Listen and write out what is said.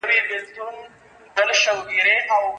دا مورچل، مورچل پکتيا او دا شېر برېتي